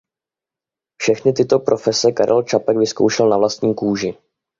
Všechny tyto profese Karel Čapek vyzkoušel na vlastní kůži.